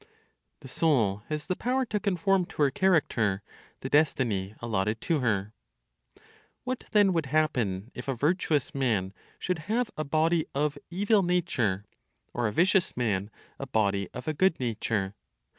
THE SOUL HAS THE POWER TO CONFORM TO HER CHARACTER THE DESTINY ALLOTTED TO HER. What then would happen if a virtuous man should have a body of evil nature, or a vicious man a body of a good nature?